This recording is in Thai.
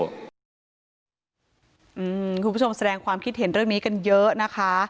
คุณผู้ชมแสดงความคิดเห็นเรื่องนี้กันเยอะนะคะ